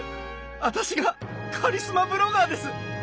私がカリスマブロガーです！